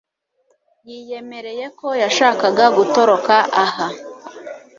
Yiyemereye ko yashakaga gutoroka aha